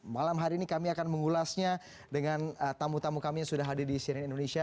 malam hari ini kami akan mengulasnya dengan tamu tamu kami yang sudah hadir di cnn indonesia